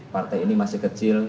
partai ini masih kecil